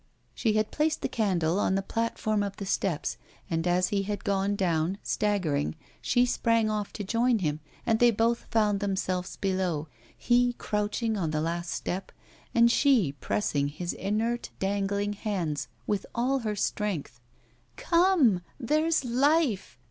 She had placed the candle on the platform of the steps, and as he had gone down, staggering, she sprang off to join him, and they both found themselves below, he crouching on the last step, and she pressing his inert, dangling hands with all her strength. 'Come, there's life!